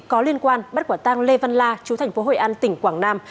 có liên quan bắt quả tang lê văn la chú thành phố hội an tỉnh quảng nam